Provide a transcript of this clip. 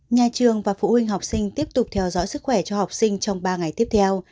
nhà trường và phụ huynh học sinh tiếp tục theo dõi sức khỏe cho học sinh trong ba ngày tiếp theo